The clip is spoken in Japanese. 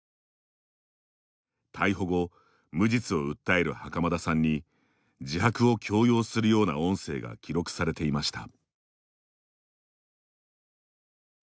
逮捕後、無実を訴える袴田さんに自白を強要するような音声が記録されていました。